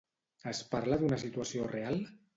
Es parla d'una situació real?